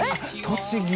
栃木。